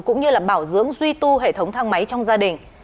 cũng như là bảo dưỡng duy tu hệ thống thang máy trong gia đình